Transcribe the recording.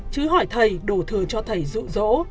chứ hỏi thầy đổ thừa cho thầy dụ dỗ